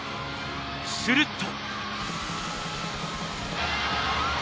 すると。